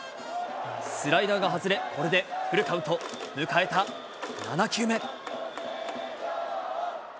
スライダーが外れ、これでフルカウント、迎えた７球目。